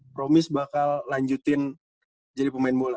promis bakal lanjutin jadi pemain bola